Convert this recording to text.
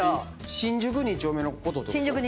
新宿二丁目のことです。